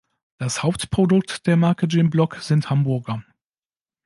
Das Hauptprodukt der Marke Jim Block sind Hamburger.